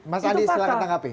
mas andi silahkan tanggapi